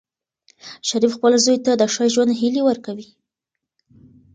شریف خپل زوی ته د ښه ژوند هیلې ورکوي.